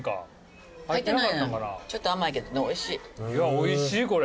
おいしいこれ。